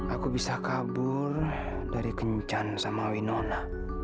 aku bisa kabur dari kencan sama winona